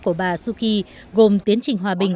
của bà suu kyi gồm tiến trình hòa bình